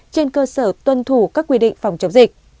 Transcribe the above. trên cơ sở tuân thủ các quy định phòng chống dịch